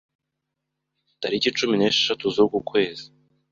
Tariki cumi nesheshatu z'uku kwezi